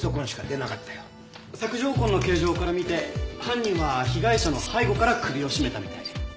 索条痕の形状から見て犯人は被害者の背後から首を絞めたみたい。